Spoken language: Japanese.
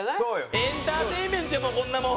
エンターテインメントやもうこんなもん。